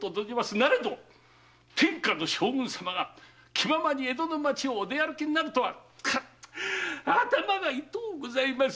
なれど天下の将軍様がきままに江戸の町をお出歩きになるとは頭が痛うございます。